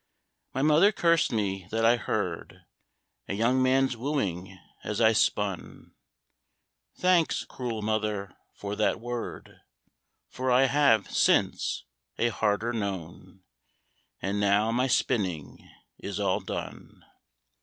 My mother cursed me that I heard A young man's wooing as I spun: Thanks, cruel mother, for that word, For I have, since, a harder known! And now my spinning is all done.